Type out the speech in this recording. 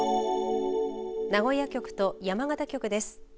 名古屋局と山形局です。